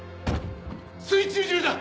水中銃だ！